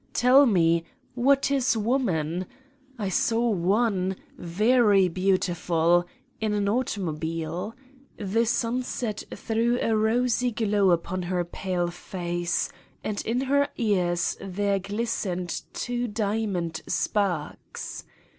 Tell me what is Woman? I saw one very beautiful in an automobile. The sunset threw a rosy glow upon her pale face and in her ears there glistened two diamond sparks.